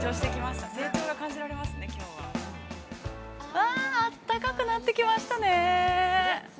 ◆あああったかくなってきましたね。